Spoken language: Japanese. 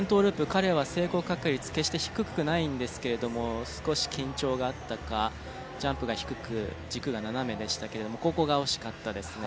彼は成功確率決して低くないんですけれども少し緊張があったかジャンプが低く軸が斜めでしたけれどもここが惜しかったですね。